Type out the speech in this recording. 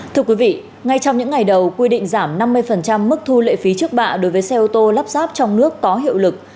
thưa quý vị ngay trong những ngày đầu quy định giảm năm mươi mức thu lệ phí trước bạ đối với xe ô tô lắp ráp trong nước có hiệu lực